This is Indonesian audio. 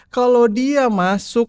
kalau dia masuk